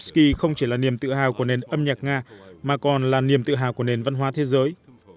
tiki không chỉ là niềm tự hào của nền âm nhạc nga mà còn là niềm tự hào của nền văn hóa thế giới